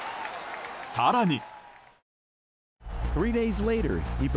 更に。